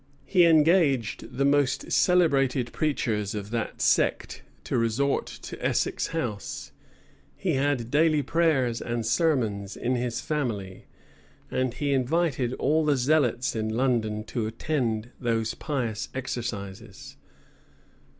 He engaged the most celebrated preachers of that sect to resort to Essex House; he had daily prayers and sermons in his family; and he invited all the zealots in London to attend those pious exercises.